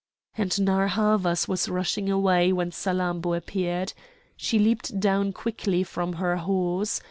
And Narr' Havas was rushing away when Salammbô appeared. She leaped down quickly from her horse.